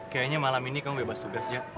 kayaknya malam ini kamu bebas tugas jack